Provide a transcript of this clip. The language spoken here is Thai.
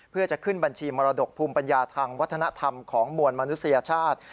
เพื่อจะขึ้นบัญชีมรดกภูมิปัญญาทางวัฒนธรรมของมวลมนุษยชาติ